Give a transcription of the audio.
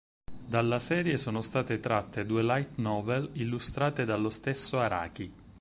Dalla serie sono state tratte due light novel illustrate dallo stesso Araki.